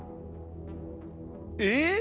えっ！